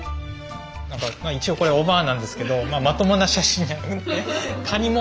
一応これおばあなんですけどまともな写真じゃなくて。